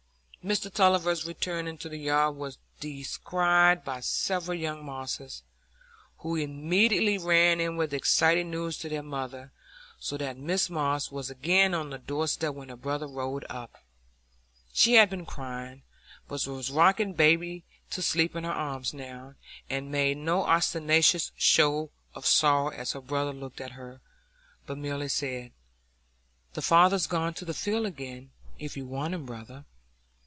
Mr Tulliver's return into the yard was descried by several young Mosses, who immediately ran in with the exciting news to their mother, so that Mrs Moss was again on the door step when her brother rode up. She had been crying, but was rocking baby to sleep in her arms now, and made no ostentatious show of sorrow as her brother looked at her, but merely said: "The father's gone to the field, again, if you want him, brother."